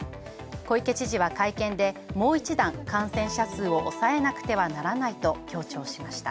小池知事は会見で、「もう一段、感染者数を抑えなくてはならない」と強調しました。